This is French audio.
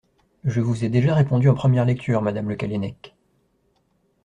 Je vous ai déjà répondu en première lecture, madame Le Callennec.